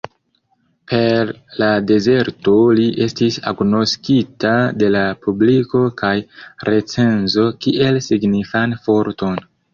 Per "La Dezerto" li estis agnoskita de la publiko kaj recenzo kiel signifan forton.